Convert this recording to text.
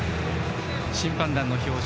審判団の表彰